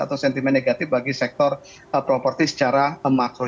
atau sentimen negatif bagi sektor properti secara makro